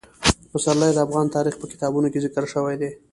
پسرلی د افغان تاریخ په کتابونو کې ذکر شوی دي.